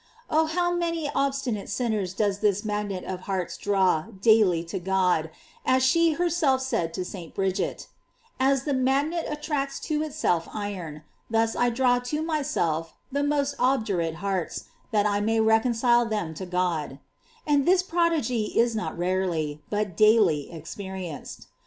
Oh, how many obstinate sinners does this magnet of hearts draw daily to God, as she herself said to St. Bridget: "As the magnet attracts to itself iron, thus I draw to myself the most obdurate hearts, that I may reconcile them to God;f" and this prodigy is not rarely, but daily ex perienced.